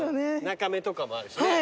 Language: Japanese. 中目とかもあるしね。